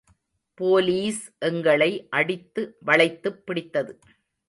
Police எங்களை அடித்து வளைத்துப் பிடித்தது.